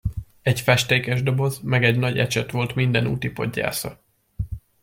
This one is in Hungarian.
Egy festékesdoboz meg egy nagy ecset volt minden útipoggyásza.